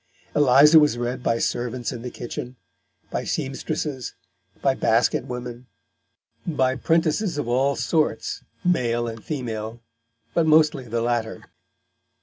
Eliza was read by servants in the kitchen, by seamstresses, by basket women, by 'prentices of all sorts, male and female, but mostly the latter.